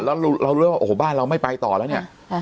แล้วเรารู้ว่าโอ้โหบ้านเราไม่ไปต่อแล้วเนี่ย